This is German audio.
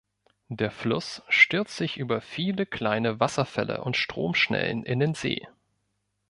Der Fluss stürzt sich über viele kleine Wasserfälle und Stromschnellen in den See.